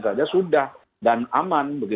saja sudah dan aman